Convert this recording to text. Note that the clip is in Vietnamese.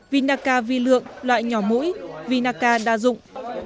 vinaca v lượng loại nhỏ mũi vinaca đa dụng